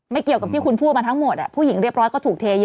เกี่ยวกับที่คุณพูดมาทั้งหมดผู้หญิงเรียบร้อยก็ถูกเทเยอะ